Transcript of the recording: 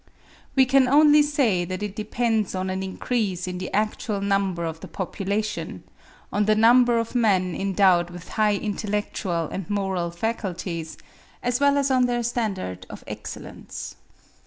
We can only say that it depends on an increase in the actual number of the population, on the number of men endowed with high intellectual and moral faculties, as well as on their standard of excellence.